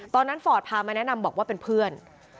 ตอนนั้นฟอร์ตพามาแนะนำบอกว่าเป็นเพื่อน